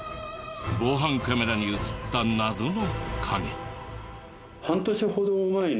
防犯カメラに映った謎の影。